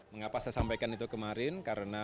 mengapa saya sampaikan itu kemarin karena